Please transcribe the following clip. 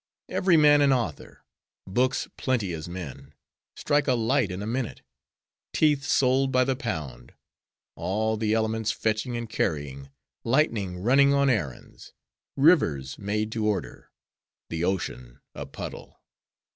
every man an author! books plenty as men! strike a light in a minute! teeth sold by the pound! all the elements fetching and carrying! lightning running on errands! rivers made to order! the ocean a puddle!